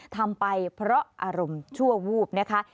ทำไปเพราะอารมณ์ชั่ววูบนะคะ